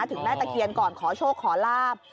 ถึงแม่ตะเคียนก่อนขอโชคขอลาบ